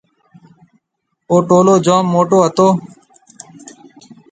او ٽولون جوم موٽيَ ھتو۔